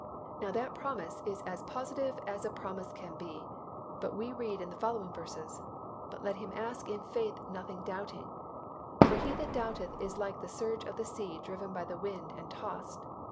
Now that promise is as positive as a promise can be but we read in the following verses, "But let him ask in faith nothing doubting: for he that doubteth is like the surge of the sea driven by the wind and tossed.